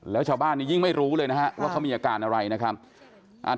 แล้วชาวบ้านนี้ยิ่งไม่รู้เลยนะฮะว่าเขามีอาการอะไรนะครับ